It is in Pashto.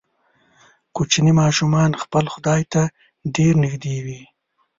کوچني ماشومان خپل خدای ته ډیر نږدې وي.